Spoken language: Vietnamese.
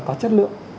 có chất lượng